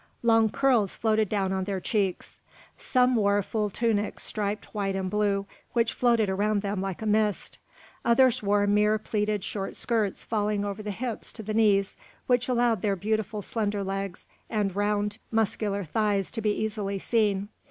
Long curls floated down on their cheeks. Some wore full tunics striped white and blue, which floated around them like a mist; others wore mere pleated short skirts falling over the hips to the knees, which allowed their beautiful, slender legs and round muscular thighs to be easily seen.